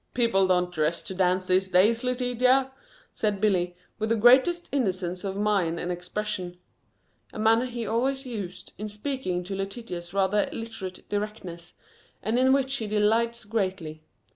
"People don't dress to dance these days, Letitia," said Billy, with the greatest innocence of mien and expression, a manner he always uses in speaking to Letitia's rather literal directness and in which he delights greatly.